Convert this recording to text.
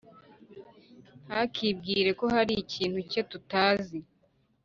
ntakibwire ko hari ikintu cye tutazi